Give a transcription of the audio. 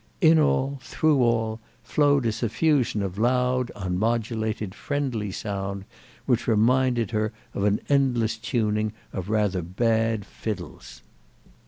In all, through all, flowed a suffusion of loud unmodulated friendly sound which reminded her of an endless tuning of rather bad fiddles.